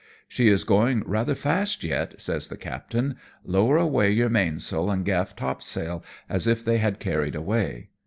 " She is going rather fast yet," says the captain ; "lower away your mainsail and gaflf topsail, as if they had carried away."